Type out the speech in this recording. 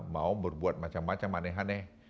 mau berbuat macam macam aneh aneh